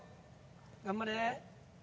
頑張れ！